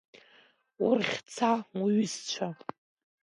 Урыхьӡа уҩызцәа!